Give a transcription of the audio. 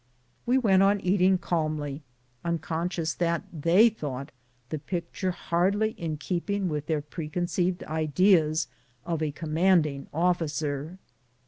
We went on eating calmly, unconscious that they thought the picture hardly in keeping with their pre conceived ideas of a commanding officer.